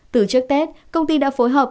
từ trước tết công ty đã phối hợp